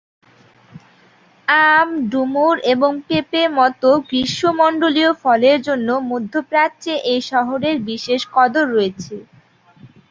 আম, ডুমুর, এবং পেঁপে মত গ্রীষ্মমন্ডলীয় ফলের জন্য মধ্যপ্রাচ্যে এ শহরের বিশেষ কদর রয়েছে।